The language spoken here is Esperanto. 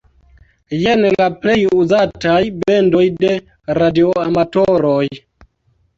Jen la plej uzataj bendoj de radioamatoroj.